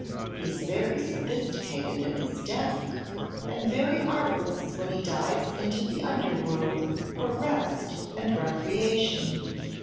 He is very sophisticated at his desk and very artless when he dives into the underworld for rest and recreation.